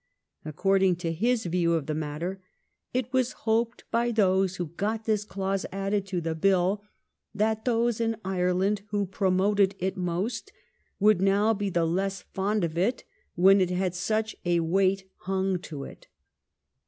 According to his view of the matter, ' It was hoped by those who got this clause added to the bill that those in Ireland who promoted it most would now be the less fond of it when it had such a weight hung to it.'